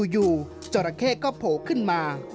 อยู่จอระเข้ก็โผล่ขึ้นมา